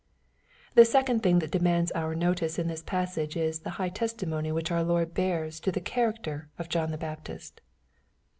The second thing that demands our notice in this pas« sage, is the high testimony which our Lord bears to the character of John the Baptist.